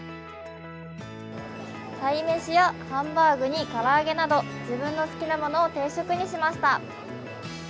たい飯やハンバーグにから揚げなど、自分の好きなものを定食にしました。